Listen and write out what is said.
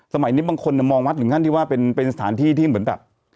สมัยนี้บางคนมองวัดถึงขั้นที่ว่าเป็นสถานที่ที่เหมือนแบบ